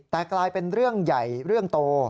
แต่กลายเป็นเรื่องใหญ่เรื่องโต